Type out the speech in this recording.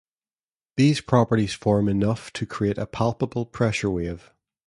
These properties form enough to create a palpable pressure wave.